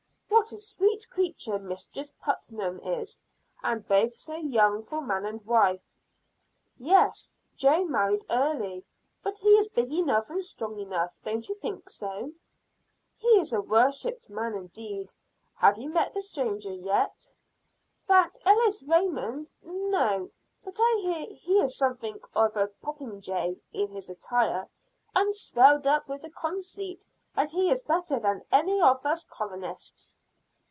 "What a sweet creature Mistress Putnam is, and both so young for man and wife." "Yes, Jo married early, but he is big enough and strong enough, don't you think so?" "He is a worshiped man indeed. Have you met the stranger yet?" "That Ellis Raymond? No, but I hear he is something of a popinjay in his attire, and swelled up with the conceit that he is better than any of us colonists."